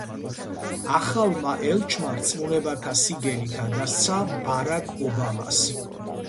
ახალმა ელჩმა რწმუნებათა სიგელი გადასცა ბარაკ ობამას.